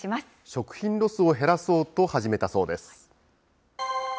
食品ロスを減らそうと始めたそうです。